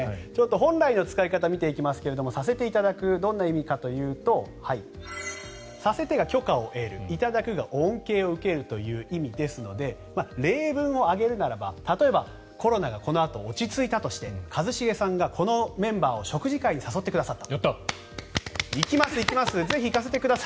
本来の使い方を見ていきますが「させていただく」どんな意味かというと「させて」が許可を得る「いただく」が恩恵を受けるという意味ですので例文を挙げるならば例えば、コロナがこのあと落ち着いたとして一茂さんがこのメンバーを食事会に誘ってくださった。